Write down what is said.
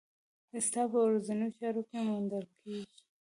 ستا په ورځنيو چارو کې موندل کېږي.